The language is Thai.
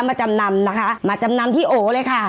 มาจำนำนะคะมาจำนำที่โอเลยค่ะ